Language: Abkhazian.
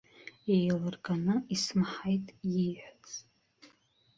Еилырганы исмаҳаит ииҳәаз.